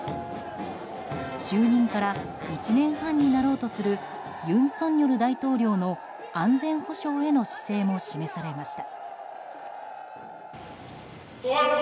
就任から１年半になろうとする尹錫悦大統領の安全保障への姿勢も示されました。